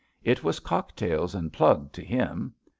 It was cocktails and plug to him.